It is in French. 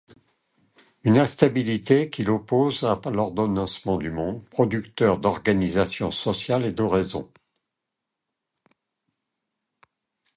Une instabilité qu’il oppose à l’ordonnancement du monde, producteur d’organisation sociale et de raison.